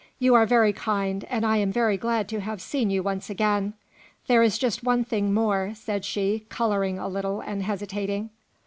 You are very kind, and I am very glad to have seen you once again. There is just one thing more," said she, colouring a little and hesitating.